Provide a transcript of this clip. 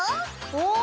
お！